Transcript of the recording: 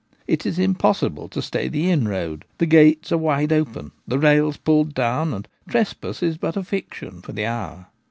It is impos sible to stay the inroad — the gates are wide open, the rails pulled down, and trespass is but a fiction for the hour.